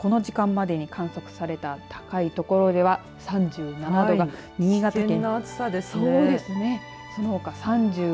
この時間までに観測された高い所では３７度が新潟県。